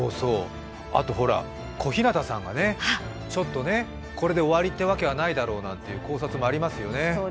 あと小日向さんがちょっとこれで終わりってわけはないだろうという考察もありますよね。